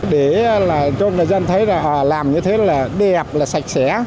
để cho người dân thấy là họ làm như thế là đẹp là sạch sẽ